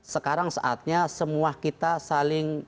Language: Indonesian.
sekarang saatnya semua kita saling